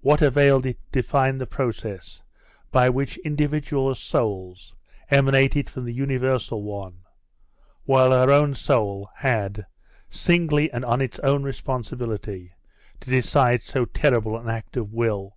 What availed it to define the process by which individual souls emanated from the universal one, while her own soul had, singly and on its own responsibility, to decide so terrible an act of will?